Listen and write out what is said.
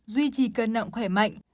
duy trì cân nặng khỏe mạnh